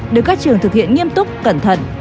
được các trường thực hiện nghiêm túc cẩn thận